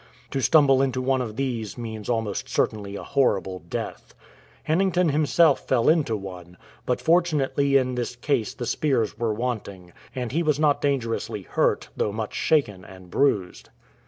To stumble into one of these means almost certainly a horrible death. Ilannington himself fell into one, but fortunately in this case the spears were wanting ; and he was not dangerously hurt, though much shaken and bruised.